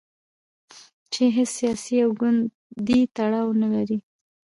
چې هیڅ سیاسي او ګوندي تړاو نه لري.